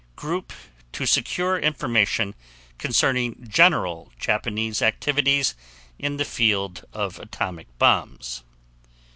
Group to secure information concerning general Japanese activities in the field of atomic bombs.